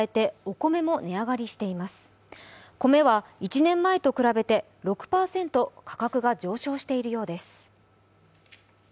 米は１年前と比べて６％価格が上昇しているようです。